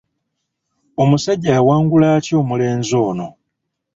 Omusajjja yawangula atya omulenzi ono?